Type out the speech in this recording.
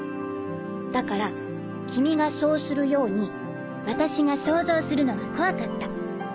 だから君がそうするように私が想像するのが怖かった。